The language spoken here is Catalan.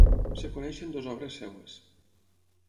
Es coneixen dues obres seves.